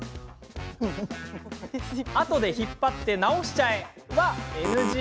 あとで引っ張って直しちゃえ！はＮＧ。